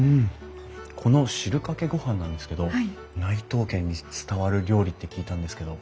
この汁かけ御飯なんですけど内藤家に伝わる料理って聞いたんですけど。